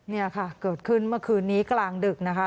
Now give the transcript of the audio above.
นี่ค่ะเกิดขึ้นเมื่อคืนนี้กลางดึกนะคะ